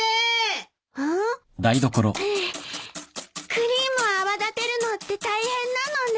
クリームを泡立てるのって大変なのね。